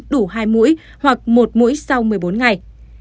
đủ hai mũi hoặc một mũi sau một mươi bốn ngày